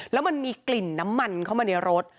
แล้วมันมีกลิ่นน้ำมันเข้ามาในรถ